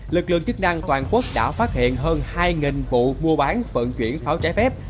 lực lượng chức năng toàn quốc đã phát hiện hơn hai vụ mua bán vận chuyển pháo trái phép